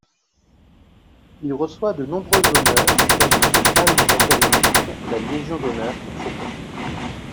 Il reçoit de nombreux honneurs comme les Palmes académiques, la Légion d’honneur, etc.